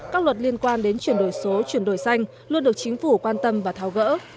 các luật liên quan đến chuyển đổi số chuyển đổi xanh luôn được chính phủ quan tâm và tháo gỡ